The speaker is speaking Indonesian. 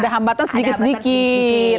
ada hambatan sedikit sedikit